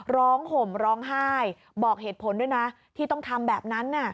ห่มร้องไห้บอกเหตุผลด้วยนะที่ต้องทำแบบนั้น